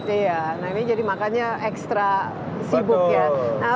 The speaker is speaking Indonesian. iya nah ini jadi makanya ekstra sibuk ya